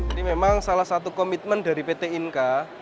ini memang salah satu komitmen dari pt inka